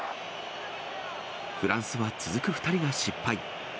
フランスは続く２人が失敗。